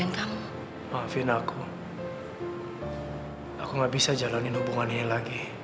sampai jumpa di video selanjutnya